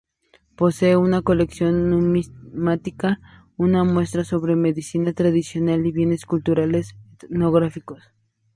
Posee una colección numismática, una muestra sobre medicina tradicional y bienes culturales etnográficos.